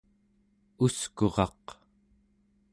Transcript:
uskuraq